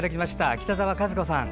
北澤和子さん。